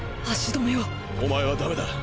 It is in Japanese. お前はダメだ！！